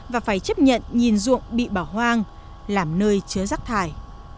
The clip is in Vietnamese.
và phải chấp nhận nhìn ruộng bị bỏ hoang làm nơi chứa rác thải